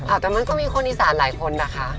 แต่มันก็มีคนอีสานหลายคนนะคะ